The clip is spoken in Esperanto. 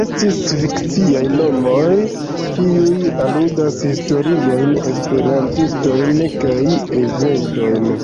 Estas fikciaj nomoj kiuj aludas historiajn Esperantistojn kaj eventojn.